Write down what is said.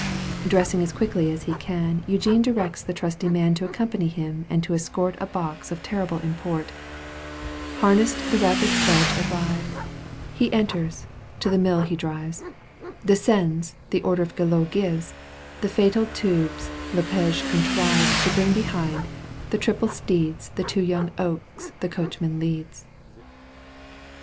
Dressing as quickly as he can, Eugene directs the trusty man To accompany him and to escort A box of terrible import. Harnessed the rapid sledge arrived : Digitized by VjOOQ 1С CANTO VL EUGENE ON^GUINE. 171 He enters : to the mill he drives : Descends, the order Guillot gives, The fatal tubes Lepage contrived *^ To bring behind : the triple steeds To two young oaks the coachman leads.